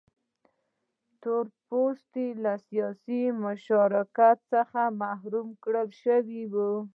تور پوستي له سیاسي مشارکت څخه محروم کړل شوي وو.